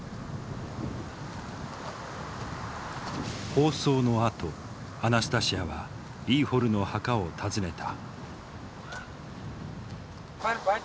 放送のあとアナスタシヤはイーホルの墓を訪ねた。